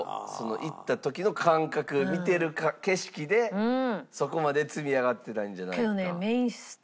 行った時の感覚見てる景色でそこまで積み上がってないんじゃないか。